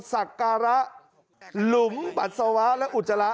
สักการะหลุมปัสสาวะและอุจจาระ